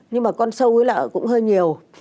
nhưng mà con sâu ấy là cũng hơi nhiều